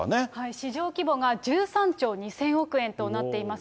市場規模が１３兆２０００億円となっています。